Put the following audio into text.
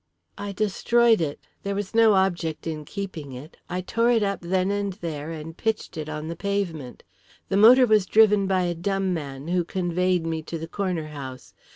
"I destroyed it. There was no object in keeping it. I tore it up then and there and pitched it on the pavement. The motor was driven by a dumb man, who conveyed me to the corner house.